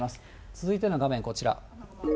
続いての画面、こちら。